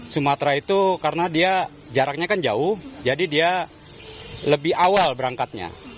sumatera itu karena dia jaraknya kan jauh jadi dia lebih awal berangkatnya